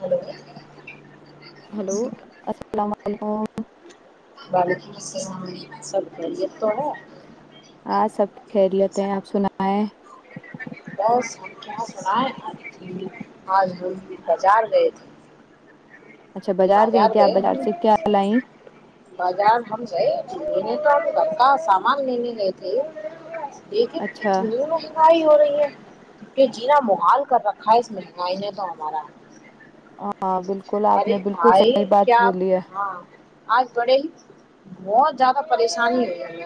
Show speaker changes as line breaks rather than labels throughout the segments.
hello
hello السلام علیکم
ب سب تھوڑا
ہاں سب خیریت ہے آپ سنا ہے
بس ہم کیا سر آج ہم بازار گئے تھے
اچھا گئی
بازار
تھی آپ
گئے
بازار
ہم
سے کیا لائیں
بازار ہم گئے نہیں تو بتا سامان لیین نہیں تھے دیکن
اچھا
اتنی مہنگائی ہو رہی ہے کہ جینا محال کر رکھا ہے اس مہنگائی نے تو ہمارا
ہاں بالکل آپ
ارے
نے بالکل
بھائی
صحیح بات
کیا آپ
بولی ہے
ہاں آج بڑے ہی بہت زیادہ پریشانی ہوئی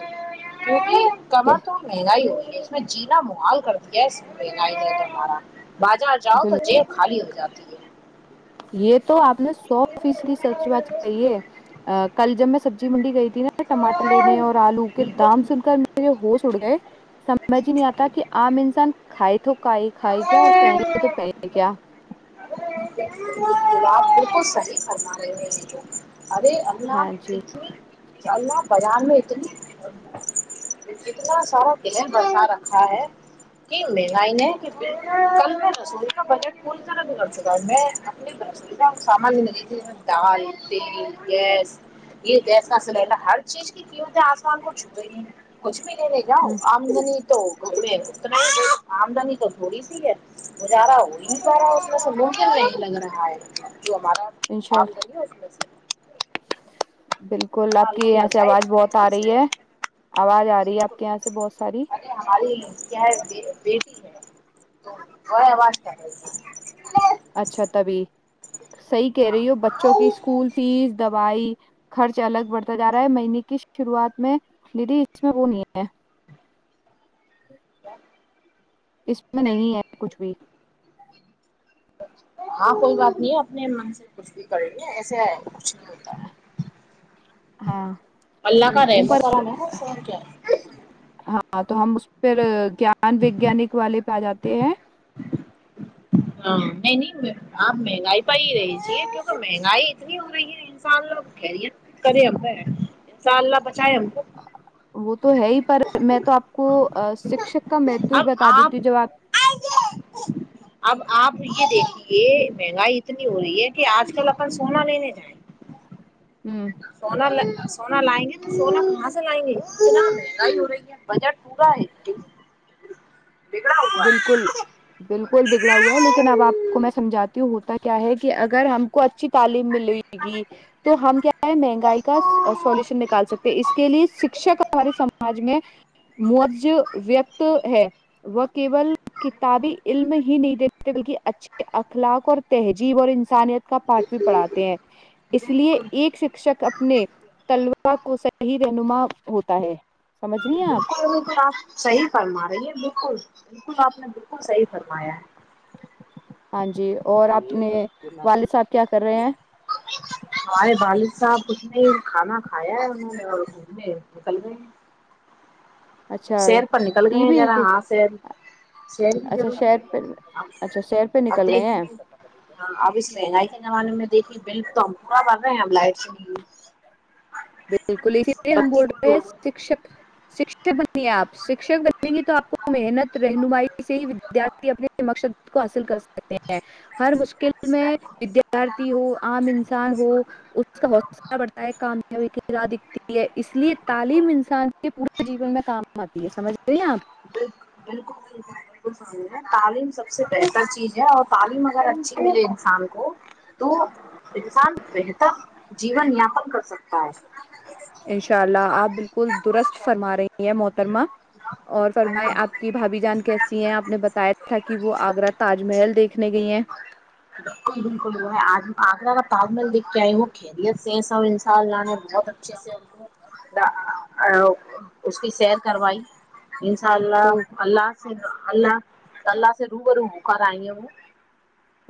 کیونکہ کماں تو مہنگا ہی ہو اس میں جینا محال کرتا یس ب ن مار بازار جاؤ تو
بالکل
جیب خالی ہو جاتی ہے [inaudible]
یہ تو آپ نے [inaudible] سو فیسی سچ بچ کہیے کل جب میں سبزینڈ گئی [inaudible] ٹماٹر لینے اور آلو کے
بالکل
دام سن کر میرے ہوش اڑ گئے [inaudible] سمجھ ہی نہیں آتا کہ عام انسان [inaudible] کھائی تو کھائی کھائی کیا اور پہنے تو پہ کیا
بالکل صحیح ال [inaudible] اے
ہاں
اللہچ
جی
[inaudible] اللہ بازان میں اتلی [inaudible] ہاں [inaudible] اتنا ساران بڑ رکھا ہے کہ مہنگ کل میں ر کا بحگ چکا میں [inaudible] ہ سامان م ت ج دال تیل گیس یہ گیس کا سلینڈر ہر چیز کی قمت ہے آسمان کو چھ کچھ بھی [inaudible] گا آمدنی [inaudible] تو گھگڑے اتنے آمدنی تو تھوڑی سی ہے گزارہ ہو ہی پا رہا ہے ا سے مومک نہیں [inaudible] کنگ رہگ [inaudible] جو ہمارا
انشاء
کام
اللہ
رہ گ [inaudible]
بالکل آپ کی
اللہ ہی
یہاں سے
بچائے
آواز
اس
بہت
مہنگائی
آ رہی ہے آواز آ رہی ہے آپ کے یہاں سے بہت ساری
ارے ہماری کیا ہے بیٹی ہے تو آواز کیا رہ [inaudible]
اچھا تبھی صحیح کہہ
ہاں
رہی ہو بچوں کی اسکول فیس دوائی [inaudible] خرچ الگ بڑھتا ج رہا ہے مہینے کی شروعات میں دیدی اس میں وہ نہیں ہے [inaudible] اس میں نہیں ہے کچھ بھی
ہاں کوئی بات نہیں اپنے من سے کچھ بھی کریںے ایسے ہے کچھ نہیں ہوتا
ہاں تو
اللہ کرے
اوپر
کر کیا
ہاں تو ہم اس پ جان وگیانک والے پ آ جاتے ہیں
ہاں میں نہیں آپ مہنگائی پ ہی رہی چی کیکہ مہنگائی اتنی ہو رہی ہے انساء اللہ کیریر کرے ا انشاء اللہ بچا ہم کو
وہ تو ہے ہی پر میں تو آپ کو شکشک کا مہتو ہی
اب
بتا
آپ
دیتی جاب
اب آپ یہ دیکھیے مہنگائی اتنی ہو رہی ہے کہ آج کل اپن سونا لینے جائیں
ہ
سونا سونا لائیں گے تو سونا کہاں سے لائیں گے ج رہ بجٹ پورا ہے بگڑا ہوا
بالکل
ہے
بالکل بگڑا ہوا ہے لیکن اب آپ کو میں سمجھاتی ہوں کیا ہے کہ اگر ہم کو اچھی تعلیم ملے گی تو ہم کیا ہے مہنگائی کا سولوشن نکال سکتے اس کے لیے شکشک ہمارے سماج میں مج ویکت ہے وہ کیول کتابی علم ہی نہیں دیتے بلکہ اچھے اخلاق اور تہذیب اور انسانیت کا پاٹ بھی پڑھاتے ہیں اس لیے
بالکل
ایک شکشک اپنے طلبا کو صحیح رہنما ہوتا ہے سمجھ لیے آپ
بالکل بالکل آپ صحیح فرما رہی ہیں بالکل بالکل آپ نے بالکل صحیح فرمایا ہے
ہاں جی اور اپنے والد صاحب کیا کر رہے ہیں
ہرے بالد صاحب کھ نے کھانا کھایا ہے انہوں نے اور گ نکل گئے ہیں
اچھا
شیر پر نکل گئے
ٹی
ہیں
وی
ذرا ہاں سیر شیر بھی
اچھا
ضروری
شہر
ہے
پہ اچھا شہر پہ
ا
نکل گئے ہیں
دیکھیےاں اب اس مہنگائی کے زمانے میں دیکھیے بل تو ہم پورا بھر رہے ہیں لائ س
بالکل اسی لیے ہم بول
گل
رہے ہیں
ہو
شکشک شک بنیے آپ شکک بنیں گے تو آپ کو محنت رہنمائی سے ہی ودارھی اپنے مقصد کو حاصل کر سکتے ہر مشکل میں ودارتھی ہو عام انسان ہو اس کا حوصلہ بڑھتا ہے کام وٹ رادتی ہے اس لیے تعلیم انسان پورے جیون میں کام آتی ہے سمجھ رہے ہیں آپ
بالکل بالکل بالکل بالکل س تعلیم سب سے بہتر چیز اور تعلیم اگر اچھی ملے انسان کو تو انسان بہتر جیون یاپن کر سکتا ہے
ان شاء اللہ آپ بالکل درست فرما رہی ہیں محترمہ اور فرمائے آپ کی بھاابھی جان کیس س آپ نے بتایا تھا کہ وہ آگرہ تاج محل دیکھنے گئی ہیں
بالکل بالکل وہ ہےج آگرہ کا تج محل دکھ کے آئے وہ خریت سے سب اناء اللہ نے بہت اچھے سے اس کی سیر کروائی انشاء اللہ
تو
اللہ سے اللہ اللہ سے رو برو ب کرار آئی ہیں وہ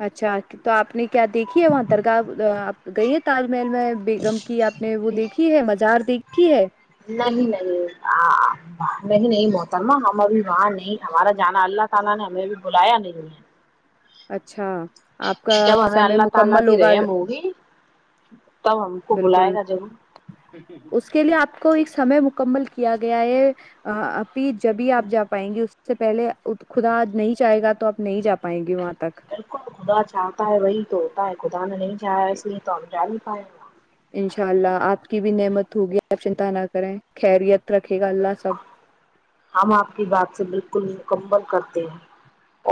اچھا تو آپ نے کیا دیکھیے وہاں درگاہ گئی ہے ت محل میں بیگم کی آپ نے وہ دیکھی ہے مزار دیکھی کی ہے
نہیں نہیں نہیں نہیں محترما وہاں نہیں ہمارا جانا اللہ سانا نے ہمیں بھی بلایا نہیں
اچھا آپ کا
ہے جب ہمیں
سمے
اللہ تعالی
مکمل
کی
ہوگا
رحم ہوگی [unintelligible] کو
بالکل
بلائے گا ضرور
اس کے لیے آپ کو ایک سمے مکمل کیا گیا ہے پ جبھی آ
بالکل
جا پائیں گی اس سے پہلے خدا نہیں چاہ گا تو آپ نہیں جا پائیں گے وہاں تک
بالکل کدا چاہتا ہے وہی تو آک ا میں نہیں جایا اس لیے تو ہم جا نہیں پایا گا
انشاء اللہ آپ کی بھی نعمت ہوگی آپ چنتا نہ کریں خریت
ہم آپ کی بات سے بالکل مکمل کرتے ہیں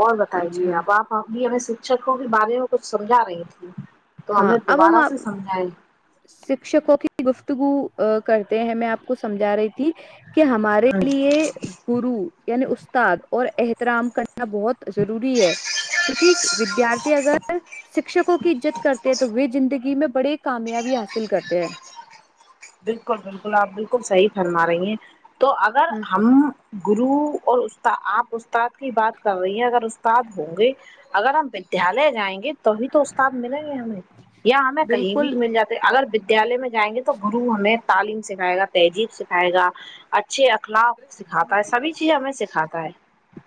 اور بتائیے
اچھا
آپ آپ ا بھی ہمیں سے شک شکوں کے بارے میں کچھ سمجھا رہی تھی تو
ہاں
ہمیں دوبارہ سے
ا
سمجھائیں
شکشک کی گفتگو کرتے ہیں میں آپ کو سمجھا رہی تھی کہ ہمارے لیے گرو یعنی استاد اور احترام کرنا بہت ضروری ہے کیونکہ ودیارتھی اگر شکشکوں کی عزت کرتے ہیں تو وہ زندگی میں بڑے کامیابی حاصل کرتے ہیں
بالکل بالکل آپ بالکل سی چ مار رہیں ہیں تو اگر
ہیں
ہم گرو اور اس آپ استاد کی بات کر رہی ہیں اگر استاد ہوں گے اگر ہم ودھیالیہ جائیں گے تو توھی تو استاد ملیں گے ہمیں یا ہمیں کہیں بھی
بالکل
مل جاتے اگر ودیال میںائیں گے تو گرو ہمیں تعلیم سکھائے گا تہذیب سکھائے گا اچے اخلاق سکھاتا ہے سبھییزیں ہمیں سکھاتا س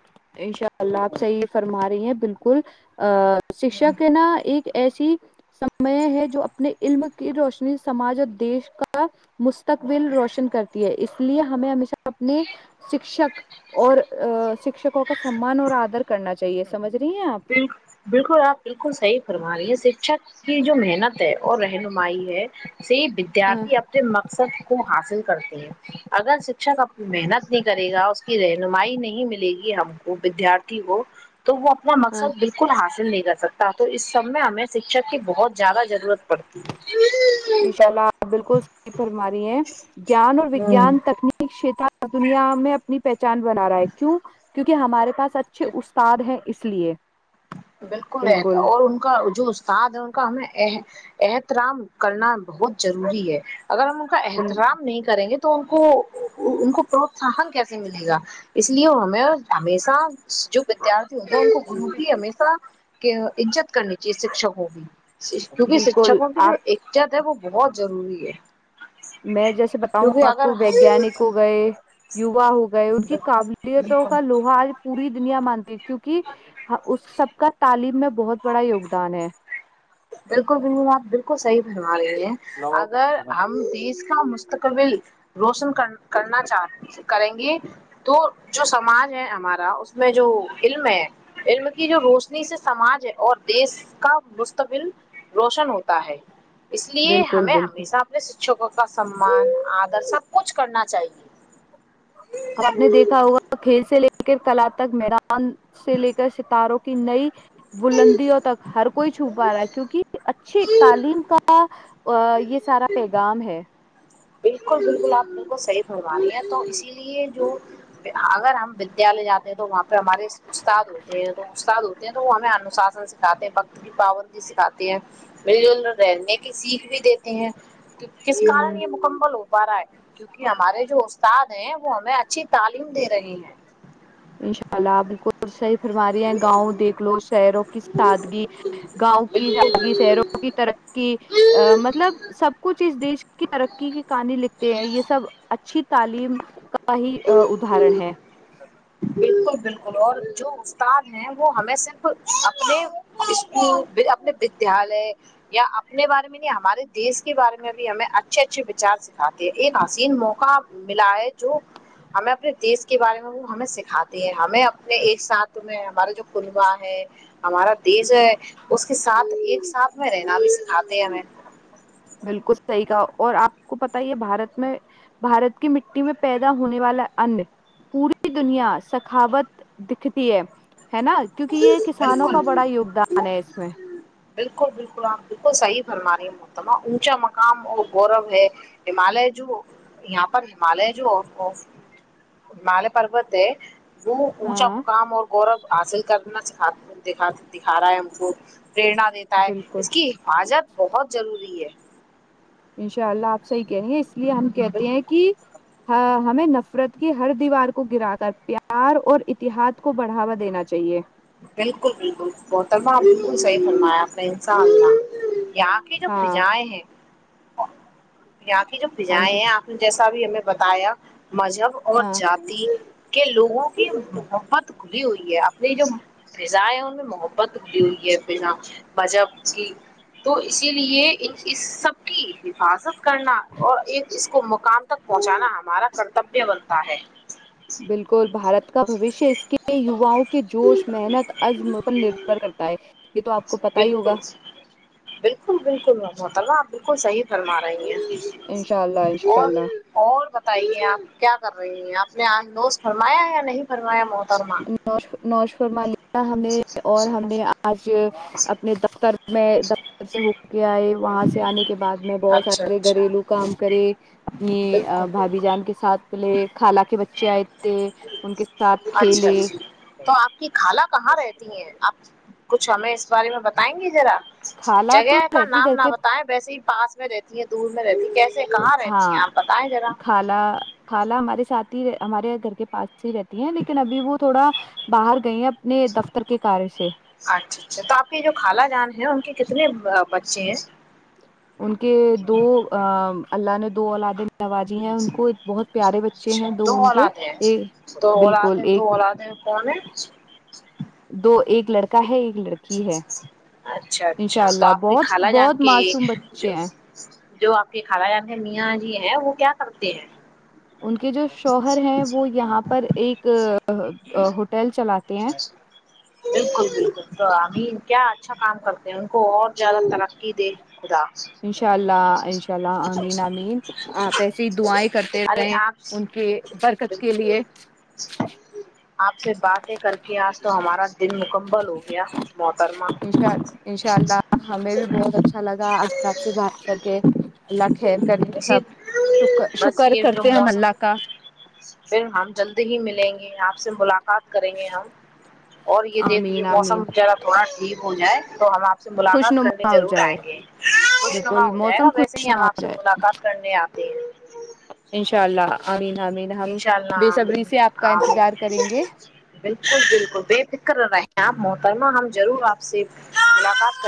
انشاء اللہ آپ صحیح فرما رہی ہیں بالکل ا شکشک ہے نا ایک ایسی سمے ہے جو اپنے علم کی روشنی سماج اور دیش کا مستقبل روشن کرتی ہے اس لیے ہمیں ہمیشہ اپنے شکشک اور شکشک کا سمان اور آدر کرنا چاہیے سمجھ رہی ہیں
بالکل بالکل آپ بالکل صحیح فرما رہی ہیں شکچک کی جو محنت ہے اور رہنمائی ہے یہ
آپ
ودیارتھی اپنے مقصد کو حاصل کرتے ہیں اگر شکشک اپنی محنت نہیں کرے گا اس کی رہنمائی نہیں ملے گی ہم کو ودیارتھی ہو تو وہ کا مقصد بالکل حاصل نہیں جا سکتا تو اس سب میں ہمیں شکھک کی بہت زیادہ ضرورت پڑتی
ان شاء اللہ بالکل صحی فرماری ہیں جیان اور
ہے ہوں
وجان تکنیک شت دنیا میں اپنی پہچ پہ چاند بنا رہا ہے کیوں کیونکہ ہمارے پس اچھے
کہ
استاد ہیں اس اس لیے
بالکل ہے اور ان کا جو استاد ہے کا ہمیں احترام کرنا بہت ضروری ہے اگر ہم ان کا احترام نہیں کریں گے تو تو ان کو ان کو پروتساہن کیسے ملے گا اس لیے ہمیں ہمیشہ جو ودارتھی ہو گ ہمیشہ ان کرنی چاہیے شککوں کی کیونکہ
بالکل
شکشکوں کی جو
آپ
ایکجت ہے وہ بہت ضروری ہے
میں جیسے بتاؤں
کیونکہ
آپ
اگر
کو ویگیانک ہو گئے یووا ہو گئے ان کی قابلیتوں
بالکل
کا لوہا آج پوری دنیا مانتی کیونکہ اس سب کا تعلیم میں بہت بڑا یوگدان ہے
بالکل بکل آپ بالکل صحی بھر اگر ہم دیس کا م مستقبل روشن کر کرنا چاہ کریں گے تو جو سماج ہے ہمارا اس میں جو علم ہے علم کی جو روشنی سے سماج ہے اور دیس کا متبل روشن ہوتا ہے اس لیے
بالکل
ہمیں
بالکل
ہمیشہ اپنے شکشکوں کا سمان آدر سب کچھ کرنا چاہیے
اب آپ نے دیکھا ہوگا کھیل سے لے کر کلا تک میدان سے لے کر ستاروں کی نئی بلندیوں تک ہر کوئی چھو پا رہا ہے کیونکہ اچھیے تعلیم کا یہ سارا پیغام ہے
بالکل بالکل آپ بالکل صحیح پروانی ہے تو اسی لیے جو اگر ہم ودیال جاتے تو وہاں پہ ہمارے استاد ہوتے ہیں تو استاد ہوتے ہیں تو وہ ہم آنے انشاسن سکھاتے ہیں بکت کی پابند سکھاتے ہیں مل جل رہنے کی سیکھ بھی دیتے ہیں جس
ہ
کارن یہ مکمل ہو پا رہا ہے کیونکہ ہمارے جو استاد ہیں وہ ہمیں اچھی تعلیم دے رہے ہیں
انشاء اللہپ بالکل صحیح فرم رہ ہیں گاؤں دیکھ لو شہروں کی سادگی گاؤں کی
بالکل
سادگی شہروں کی
بالکل
ترقی مطلب سب کچھ اس دیش کی ترقی کے کہانی لکھتے ہیں یہ سب اچھی تعلیم کا ہی ادرن ہے سب
بالکل بالکل اور جو استاد ہیں وہ ہمیں صرف اپنے اسکول اپنے ودیال یا اپنے بارے میں نہیں ہمارے دیش کے بارے میں بھی ہمیں اچھے اچھے وچار سکھاتے ہے ایک آسین موقع ملا ہے جو ہمیں اپنے دیش کے بارے میں وہ ہمیں کاتے ہیں ہمیں اپنے ایک ساتھ میں ہمارا جو کلبا ہے ہمارا دیس ہے اس کے ساتھ ایک ساتھ میں رہنا بھی سکھاتے ہیں ہمیں
بالکل صحیح کا اور آپ کو پت یہ بارت میں بھارت کی مٹی میں پیدا ہونے والا ان پوری دنیا سخاوت دکھتی ہے ہے نا کیونکہ یہ کسانوں
بالکل
کا بڑا یوگدان ہے اس میں
بالکل بالکل ہاں بالکل صیح ہماری محتمہ اونچا مقام اور گورو ہے ہمالیہ جو یہاں پر ہمالیہ جو ہمالیہ پروت ہے وہ اونچا
ہاں
مقام اور ورو حاصل کرنا سکھات دکھا رہا ہے ہم کو پریرنا دیتا ہے
بالکل
اس کی حفاظت بہت ضروری ہے ج ہے
انشاء اللہ آپ صحیح کہنیے اس لیے ہم کہتے ہیں کہ ہاں ہمیں نفرت کی ہر دیوار کو گرا کر پیار اور اتحاد کو بڑھاوا دینا چاہیے
بالکل بالکل بوتلبہ بالکل صحیح فنا ہے اپنےسنا یہاں کے جو
ہاں
پجائے ہیں یہاں کی جو
ہاں
بھجائیں
جی
ہیں آپ نے جیسا بھی ہمیں بتایا مذہب اور
ہاں
جاتی کہ لوگوں کی محبت کھلی ہوئی ہے اپنی جو فضائیں ان میں محبتی ہوئی ہے بنا مذہب کی تو اسی لیے اس سب کی حفاظت کرنا اور اس کو م کا تک پہنچانا ہمارا کرتبیہ بنتا ہے
بالکل بھارت کا بوشیہ اس کے یواؤں کے جوش میں محنت آج نربر کرتا ہے یہ تو آپ کو پتا ہی
بالکل
ہوگا
بالکل بالکل محطاللہ بالکل صحیح رارا
انشاء اللہ انشاء
اور
اللہ
اور بتائی کیا کر رہی ہیں آپ نے آام دووست فرمایا یا نہیں فرمایا موت
نو نوش فر مالیہ ہم نے اور ہم نے آج اپنے د میں دفتر سے ہو کے آئے وہاں سے آنے کے بعد میں بہت
اچھا
سارے
اچھا
گھریلو کام کرے اپنی
بالکل
بھابھی
بالکل
جان کے ساتھ ملے خالہ کے بچے آئے تھے ان کے ساتھ
ا اچ تو آپ کی خالہ کہاں رہتی ہیں آپ کچھ ہمیں اس بارے میں بتائیں گے ذرا
خالہ تو
جگہ کا
رہتی
نام
گھر
نہ
کے
بتائے ویسے ہی پاس میں رہتی ہیں دور میں رہتی کہ
ہاں کالہ خالہ ہمارے ساتھ ہی ہمارے گھر کے پاس ہی رہتی ہیں لیکن ابھی وہ تھوڑا باہر گئی ہیں اپنے دفتر کے کار سے
اچھا اچھا تو آپ کی جو خالا جان ہے ان کی کتنے بچے ہیں
ان کے دو ا اللہ نے دو الاد نوازی ہیں ان کو بہت پیارے بچے ہیں
اچھا
دو ان کے
اولادیں ہیں دو
بالکل
اولادیں
ایک
دو اولادیں کون ہیں
[inaudible] ایک لڑکا ہے ایک لڑکی ہے
اچھا
ان
اچھا
شاء
تو
اللہ
آپ کی
بہت
خالہ
بہت
جان کے
معصوم
جو
بچے ہیں
جو آپ کے خالا جان ہے میاں جی ہیں وہ کیا کرتے ہیں
ان کے جو شوہر ہے وہ یہاں پر ایک ہوٹل چلاتے ہیں
بالکل بالکل تو ہم کیا اچھا کام کرتے ہیں ان کو اور زیادہ ترقی دے خدا
انشاء اللہ انشاء اللہ امین امین پیسے ہی دعائیں کرتے
ارے
رہے
آپ
ان کے برکت کے لیے
آپ سے باتیں کر کے آج تو ہمارا دن مکمبل ہو گیا محترمہ
انشاء انشاء اللہ ہمیں بھی بہت اچھا [unintelligible] خ کریں سب شکر
بس
شکر
یہ جو
کرتے ہیں ہم
موسم
اللہ کا
پھر ہم جلدی ہی ملیں گے آپ سے بات کریں گے ہم اور یہ دیکھجیے
آمین
موسم
آمین
برا تھوڑا ٹھیک ہو جائے تو ہم آپ آ سے
خوش
ملاقات کرنے
نما ہو
ضرور
جائے
آئیں گے خوشنما
بالکل
ہو جائے
موسم
گا ویسے
خوش
ہی ہم
نما
آپ
ہو
سے
جائے
ملاقات کرنے آتے ہیں
انشاء اللہ آمین آمین
ان
ہم
شاء
بے
اللہ
صبری سے آپ کا انتظار کریں گے
بالکل بالکل بے فکر رہے آپ محترمہ ہم ضرور آپ سے ملاقات کریں